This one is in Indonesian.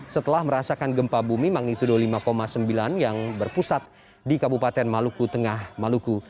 setelah merasakan gempa bumi magnitudo lima sembilan yang berpusat di kabupaten maluku tengah maluku